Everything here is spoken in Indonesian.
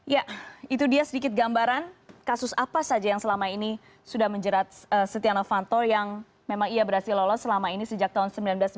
ya itu dia sedikit gambaran kasus apa saja yang selama ini sudah menjerat setia novanto yang memang ia berhasil lolos selama ini sejak tahun seribu sembilan ratus sembilan puluh sembilan